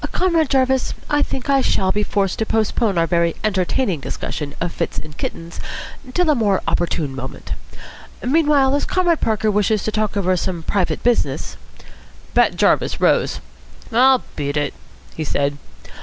Comrade Jarvis, I think I shall be forced to postpone our very entertaining discussion of fits in kittens till a more opportune moment. Meanwhile, as Comrade Parker wishes to talk over some private business " Bat Jarvis rose. "I'll beat it," he said.